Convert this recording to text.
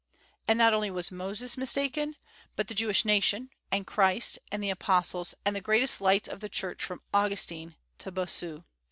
And not only was Moses mistaken, but the Jewish nation, and Christ and the apostles, and the greatest lights of the Church from Augustine to Bossuet.